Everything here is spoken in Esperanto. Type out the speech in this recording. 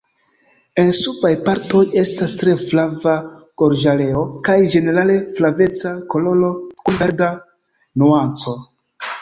En subaj partoj estas tre flava gorĝareo kaj ĝenerale flaveca koloro kun verda nuanco.